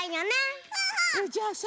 じゃあさ